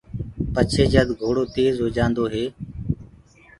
پڇي جد گھڙو تير هوجآندو هي،